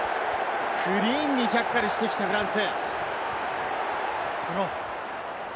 クリーンにジャッカルしてきたフランス。